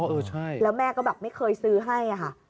เออใช่แล้วแม่ก็แบบไม่เคยซื้อให้ค่ะ